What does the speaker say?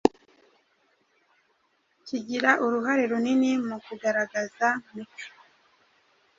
kigira uruhare runini mu kugaragaza mico